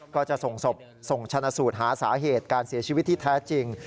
ก็จะส่งศพส่งชนะสูตรหาสาเหตุการเสียชีวิตที่แท้จริง